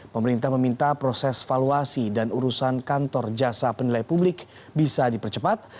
pemerintah meminta proses valuasi dan urusan kantor jasa penilai publik bisa dipercepat